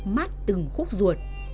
mát từng khúc ruột